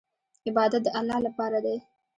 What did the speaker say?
عبادت د الله لپاره دی.